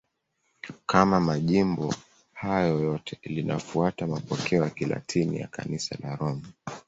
Kama majimbo hayo yote, linafuata mapokeo ya Kilatini ya Kanisa la Roma.